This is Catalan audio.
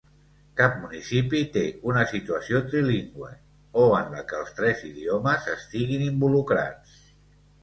Cap municipi té una situació trilingüe o en la que els tres idiomes estiguin involucrats.